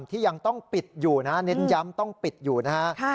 ที่ยังต้องปิดอยู่นะเน้นย้ำต้องปิดอยู่นะฮะ